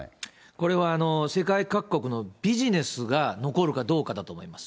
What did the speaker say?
これは世界各国のビジネスが残るかどうかだと思います。